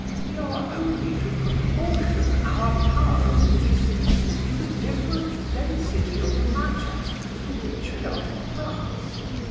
We are only to proportion our power of resistance to the different density of matter through which we are to pass.